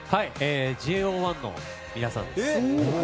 ＪＯ１の皆さんです。